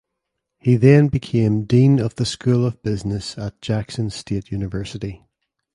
He then became dean of the school of business at Jackson State University.